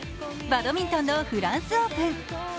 バドミントンのフランスオープン。